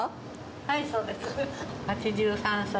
はい、そうです。